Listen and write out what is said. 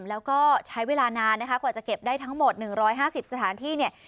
แล้วก็ใช้เวลานานนะคะกว่าจะเก็บได้ทั้งหมด๑๕๐สถานที่เนี่ย